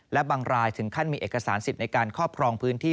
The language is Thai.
และบางรายถึงขั้นมีเอกสารสิทธิ์ในการครอบครองพื้นที่